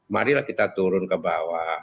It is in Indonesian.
marilah kita turun ke bawah